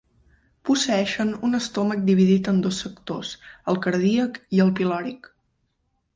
Posseeixen un estómac dividit en dos sectors: el cardíac i el pilòric.